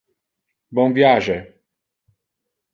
Bon viage!